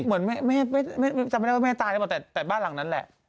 เหมือนแม่จำไม่ได้ว่าแม่ตายหรือเปล่าแต่บ้านหลังนั้นแหละ